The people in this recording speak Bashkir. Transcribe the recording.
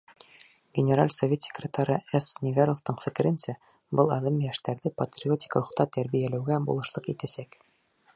Генераль совет секретары С. Неверовтың фекеренсә, был аҙым йәштәрҙе патриотик рухта тәрбиәләүгә булышлыҡ итәсәк.